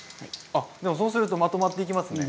あでもそうするとまとまっていきますね。